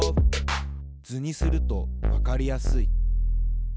図にするとわかりやすい。